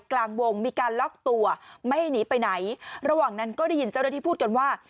กลางวงมีการล็อกตัวไม่ให้หนีไปไหนระหว่างนั้นก็ได้ยินเจ้าหน้าที่พูดกันว่า